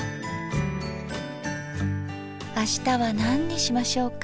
あしたは何にしましょうか。